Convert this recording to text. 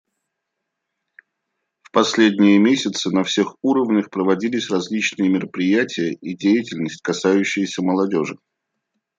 В последние месяцы на всех уровнях проводились различные мероприятия и деятельность, касающиеся молодежи.